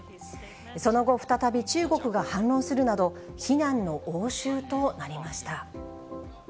その後、再び中国が反論するなど、非難の応酬となりました。